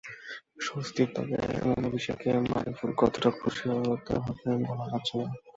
স্বস্তির, তবে এমন অভিষেকে মারুফুল কতটা খুশি হতে হবেন, বলা যাচ্ছে না।